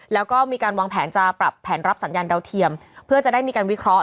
แล้วก็มีการวางแผนจะปรับแผนรับสัญญาณดาวเทียมเพื่อจะได้มีการวิเคราะห